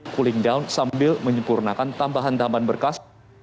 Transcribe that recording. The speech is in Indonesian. cooling down sambil menyempurnakan tambahan tambahan berkas